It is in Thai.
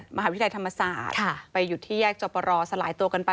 มหาวิทยาลัยธรรมศาสตร์ไปหยุดที่แยกจบรอสลายตัวกันไป